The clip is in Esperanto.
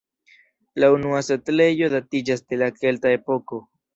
La unua setlejo datiĝas de la kelta epoko.